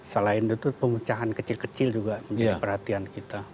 selain itu pemecahan kecil kecil juga menjadi perhatian kita